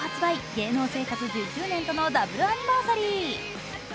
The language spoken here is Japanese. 芸能生活１０周年とのダブルアニバーサリー。